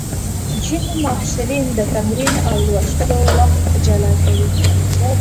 ځینې محصلین د تمرین او لوستلو وخت جلا کوي.